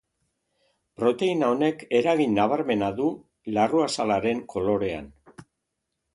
Proteina honek eragin nabarmena du larruazalaren kolorean.